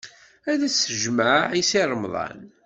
Ad as-t-jemɛeɣ i Si Remḍan.